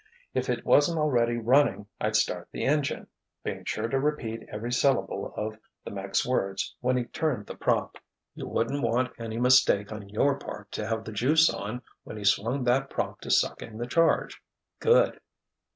If it wasn't already running, I'd start the engine—being sure to repeat every syllable of the 'mech's' words when he turned the prop." "You wouldn't want any mistake on your part to have the juice on when he swung that prop to suck in the charge—good!"